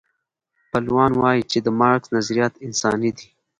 پلویان وایي چې د مارکس نظریات انساني دي.